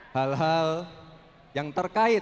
hal hal yang terkait